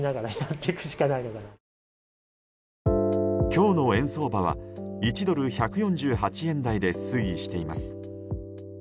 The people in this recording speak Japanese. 今日の円相場は１ドル＝１４８円台で推移しています。